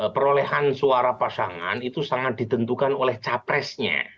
perolehan suara pasangan itu sangat ditentukan oleh capresnya